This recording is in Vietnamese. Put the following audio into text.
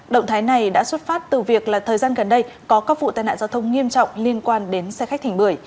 động thái này đã xuất phát từ việc là thời gian gần đây có các vụ tai nạn giao thông nghiêm trọng liên quan đến xe khách thành bưở